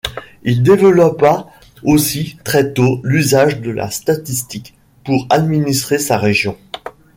Il développa aussi très tôt l'usage de la statistique pour administrer sa région.